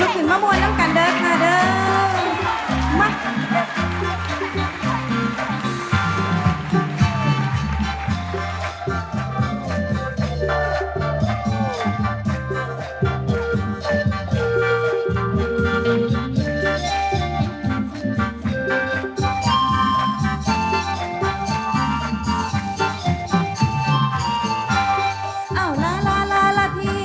เอาลาลาลาลาพี่